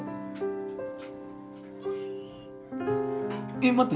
えっ待って。